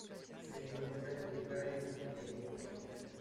Se encuentra en Bulgaria y Turquía.